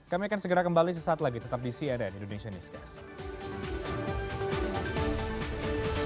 kami akan segera kembali sesaat lagi tetap di cnn indonesia newscast